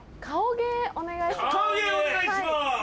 顔芸お願いします。